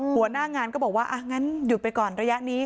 หัวหน้างานก็บอกว่าอ่ะงั้นหยุดไปก่อนระยะนี้